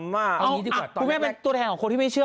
เอาอย่างนี้ดีกว่าคุณแม่เป็นตัวแทนของคนที่ไม่เชื่อ